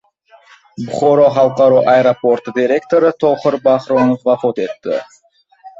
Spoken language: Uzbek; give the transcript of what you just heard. Buxoro xalqaro aeroporti direktori Tohir Bahronov vafot etdi